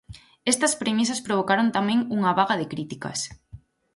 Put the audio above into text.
Estas premisas provocaron tamén unha vaga de críticas.